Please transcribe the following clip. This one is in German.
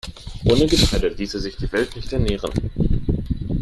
Ohne Getreide ließe sich die Welt nicht ernähren.